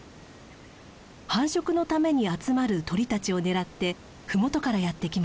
繁殖のために集まる鳥たちを狙って麓からやって来ました。